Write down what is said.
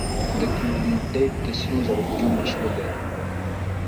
د کلونډیک د سرو زرو هجوم مشهور دی.